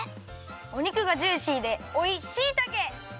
お肉がジューシーでおいしいたけ！